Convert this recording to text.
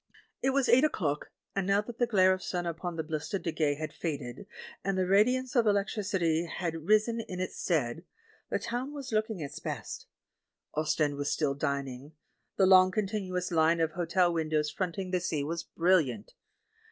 It was eight o'clock, and now that the glare of sun upon the blistered Digue had faded, and the radiance of electricity had risen in its stead, the town was looking its best. Ostend was still dining. The long continuous line of hotel windows fronting the sea was brilhant.